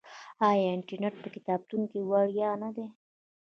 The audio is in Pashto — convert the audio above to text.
آیا انټرنیټ په کتابتون کې وړیا نه دی؟